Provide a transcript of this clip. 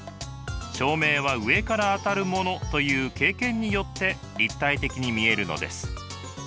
照明は上から当たるものという経験によって立体的に見えるのです。